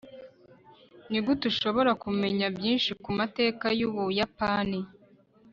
nigute ushobora kumenya byinshi ku mateka y'ubuyapani